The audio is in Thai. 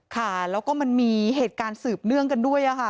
ค่ะแล้วก็มันมีเหตุการณ์สืบเนื่องกันด้วยค่ะ